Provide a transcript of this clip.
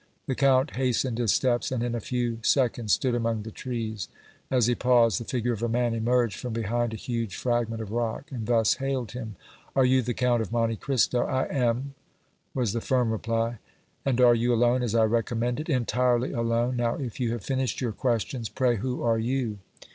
The Count hastened his steps and in a few seconds stood among the trees. As he paused the figure of a man emerged from behind a huge fragment of rock and thus hailed him: "Are you the Count of Monte Cristo?" "I am," was the firm reply. "And are you alone, as I recommended?" "Entirely alone. Now, if you have finished your questions, pray who are you?"